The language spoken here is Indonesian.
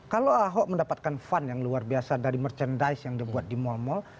kalau ahok mendapatkan fund yang luar biasa dari merchandise yang dibuat di mall mal